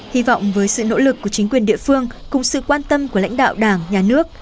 hy vọng với sự nỗ lực của chính quyền địa phương cùng sự quan tâm của lãnh đạo đảng nhà nước